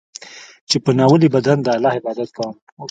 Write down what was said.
چې په ناولي بدن د الله عبادت کوم.